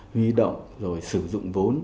huy động rồi sử dụng vốn